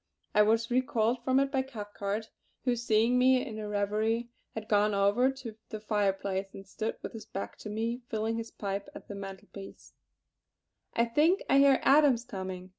I was recalled from it by Cathcart, who seeing me in a reverie had gone over to the fireplace and stood with his back to me, filling his pipe at the mantel piece: "I think I hear Adams coming.